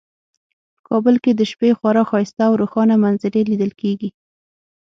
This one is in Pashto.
په کابل کې د شپې خورا ښایسته او روښانه منظرې لیدل کیږي